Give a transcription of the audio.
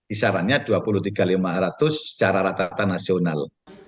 isarannya rp dua puluh tiga lima ratus secara rata rata nasional